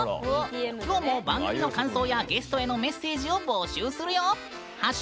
きょうも番組の感想やゲストへのメッセージを募集するよ。